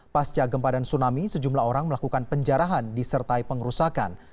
pasca gempa dan tsunami sejumlah orang melakukan penjarahan disertai pengerusakan